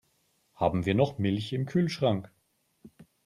Haben wir noch Milch im Kühlschrank?